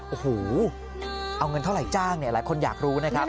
โอ้โหเอาเงินเท่าไหร่จ้างอะไรคนอยากรู้นะครับ